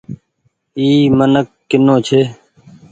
اي منک ڪونيٚ ڇي۔